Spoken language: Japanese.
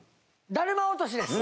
だるま落としです。